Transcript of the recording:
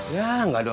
ya gak dong